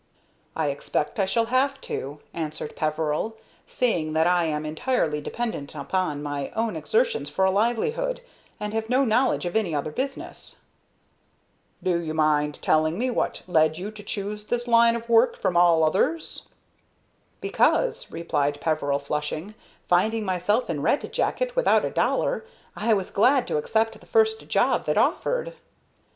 "I expect I shall have to," answered Peveril, "seeing that I am entirely dependent upon my own exertions for a livelihood, and have no knowledge of any other business." "Do you mind telling me what led you to choose this line of work from all others?" "Because," replied Peveril, flushing, "finding myself in Red Jacket without a dollar, I was glad to accept the first job that offered."